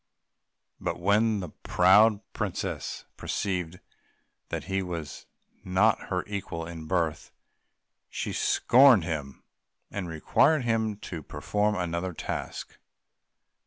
But when the proud princess perceived that he was not her equal in birth, she scorned him, and required him first to perform another task.